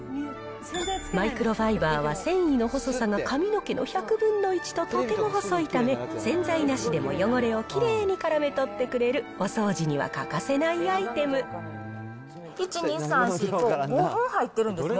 マイクロファイバーは繊維の細さが髪の毛の１００分の１ととても細いため、洗剤なしでも汚れをきれいに絡め取ってくれる、お掃除には欠かせ１、２、３、４、５、５本入ってるんですね。